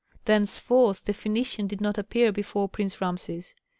Thenceforth the Phœnician did not appear before Prince Rameses.